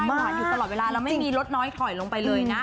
หวานอยู่ตลอดเวลาแล้วไม่มีลดน้อยถอยลงไปเลยนะ